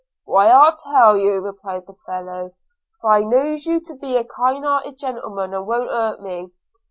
'Why, I'll tell you,' replied the fellow, 'for I knows you to be a kind hearted gentleman, and won't hurt me.